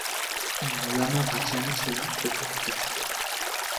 মওলানা ভাসানী ছিলেন প্রধান অতিথি।